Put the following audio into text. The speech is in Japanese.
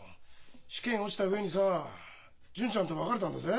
試験落ちた上にさ純ちゃんと別れたんだぜ。